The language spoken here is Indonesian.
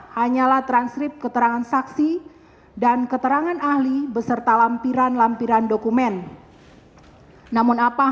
hanyalah transkrip keterangan saksi dan keterangan ahli beserta lampiran lampiran dokumen namun apa